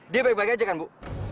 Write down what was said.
dia baik baik aja kan bu